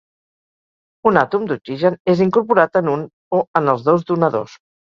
Un àtom d'oxigen és incorporat en un o en els dos donadors.